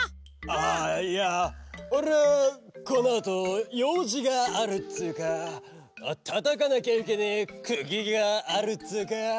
・ああいやおれはこのあとようじがあるっつうかたたかなきゃいけねえくぎがあるっつうか。